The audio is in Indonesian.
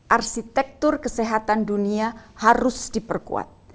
arsitektur kesehatan dunia harus diperkuat